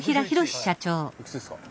おいくつですか。